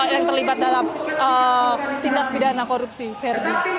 yang terlibat dalam tindak pidana korupsi ferdi